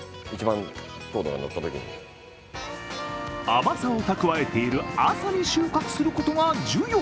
甘さを蓄えている朝に収穫することが重要。